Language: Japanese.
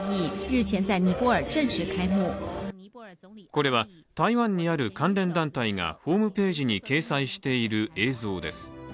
これは台湾にある関連団体がホームページに掲載している映像です。